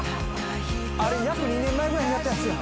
あれ約２年前ぐらいにやったやつや。